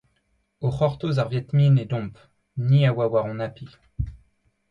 O c'hortoz ar Vietminh edomp, ni a oa war hon api.